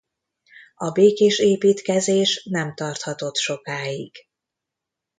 A békés építkezés nem tarthatott sokáig.